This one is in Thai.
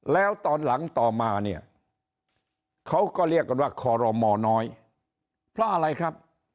แล้วตอนหลังต่อมาเนี่ยเขาก็เรียกกันว่าคอรมอน้อยเพราะอะไรครับ